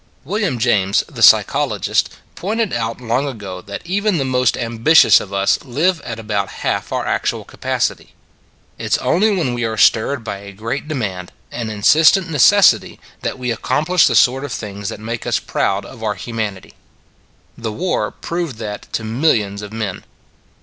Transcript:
William James, the psychologist, pointed out long ago that even the most ambitious of us live at about half our actual capacity. It s only when we are stirred by a great demand, an insistent ne The Great God "Must" 117 cessity, that we accomplish the sort of things that make us proud of our humanity. The war proved that to millions of men.